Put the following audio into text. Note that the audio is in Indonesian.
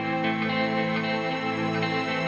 mohon sebut sesuatanya